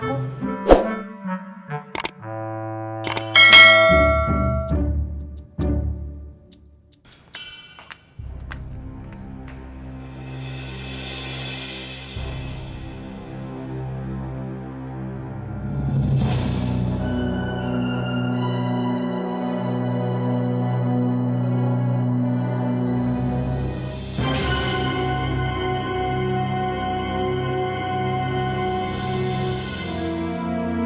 aku tidak keliat keliat hidup nanti